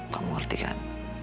kamu ngerti kan